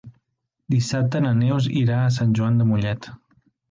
Dissabte na Neus irà a Sant Joan de Mollet.